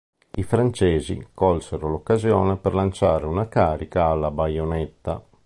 I francesi, colsero l'occasione per lanciare una carica alla baionetta.